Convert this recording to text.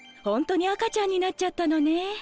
ホントに赤ちゃんになっちゃったのね。